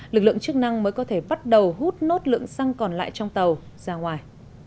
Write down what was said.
lực lượng chức năng mới có thể bắt đầu hút nốt lượng xăng còn lại trong tàu ra ngoài